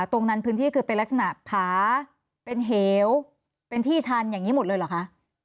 พื้นที่คือเป็นลักษณะผาเป็นเหวเป็นที่ชันอย่างนี้หมดเลยเหรอคะ